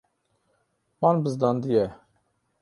Wan bizdandiye.